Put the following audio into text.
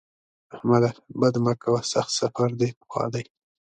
احمده! بد مه کوه؛ سخت سفر دې په خوا دی.